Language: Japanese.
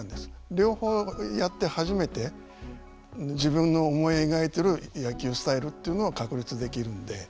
両方やって初めて自分の思い描いてる野球スタイルっていうのを確立できるので。